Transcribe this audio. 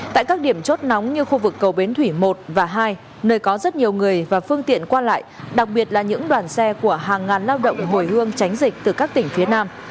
tại các điểm chốt nóng như khu vực cầu bến thủy một và hai nơi có rất nhiều người và phương tiện qua lại đặc biệt là những đoàn xe của hàng ngàn lao động hồi hương tránh dịch từ các tỉnh phía nam